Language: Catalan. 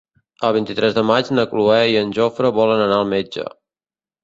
El vint-i-tres de maig na Cloè i en Jofre volen anar al metge.